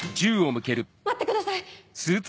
待ってください！